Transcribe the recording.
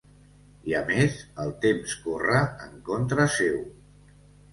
I a més, el temps corre en contra seu.